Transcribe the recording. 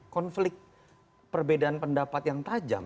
konflik perbedaan pendapat yang tajam